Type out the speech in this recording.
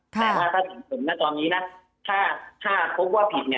แต่ถ้าถึงสมณตอนนี้นะถ้าพบว่าผิดเนี่ย